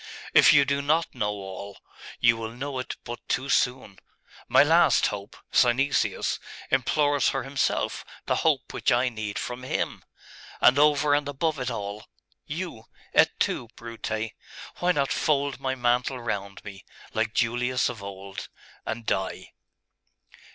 If you do not know all, you will know it but too soon .... My last hope, Synesius, implores for himself the hope which I need from him....And, over and above it all.... You!.... Et tu, Brute! Why not fold my mantle round me, like Julius of old, and die!